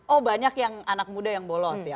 oh banyak yang anak muda yang bolos ya